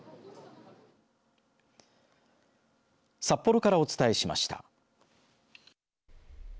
札幌からお伝えしました。